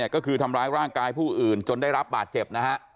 ก็คือทำร้ายร่างกายผู้อื่นจนได้รับบาดเจ็บนะฮะ